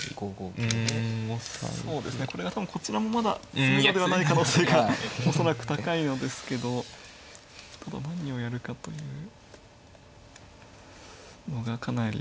これが多分こちらもまだ詰むのではない可能性が恐らく高いのですけどただ何をやるかというのがかなり。